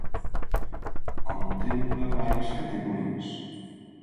Contempla varias categorías.